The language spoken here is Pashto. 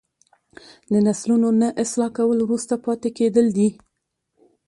د نسلونو نه اصلاح کول وروسته پاتې کیدل دي.